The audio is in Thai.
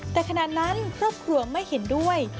แต่ขณะนั้นครอบครัวไม่เห็นด้วย